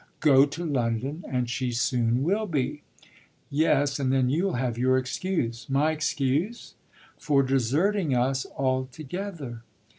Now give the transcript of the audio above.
"Go to London and she soon will be." "Yes, and then you'll have your excuse." "My excuse?" "For deserting us altogether."